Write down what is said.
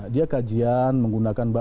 dia kajian menggunakan